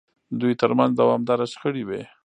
دوی ترمنځ دوامداره شخړې وې.